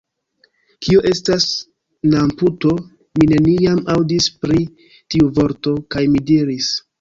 Kio estas namputo? Mi neniam aŭdis pri tiu vorto. kaj mi diris: